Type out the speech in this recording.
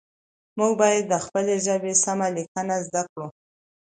موږ باید د خپلې ژبې سمه لیکنه زده کړو